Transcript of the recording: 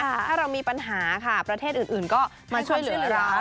ถ้าเรามีปัญหาค่ะประเทศอื่นก็มาช่วยเหลือเรา